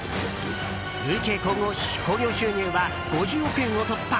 累計興行収入は５０億円を突破！